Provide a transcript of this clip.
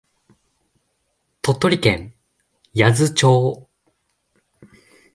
鳥取県八頭町